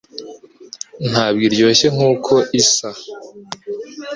Ntabwo iryoshye nkuko isa